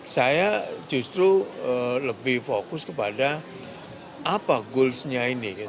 saya justru lebih fokus kepada apa goals nya ini gitu